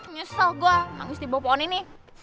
nyesel gue nangis di bawah pohon ini